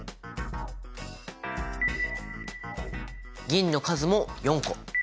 銀の数も４個。